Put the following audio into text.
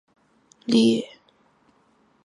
行动还算顺利